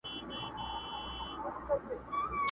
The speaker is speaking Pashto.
د قدرت نشه مي نه پرېږدي تر مرگه٫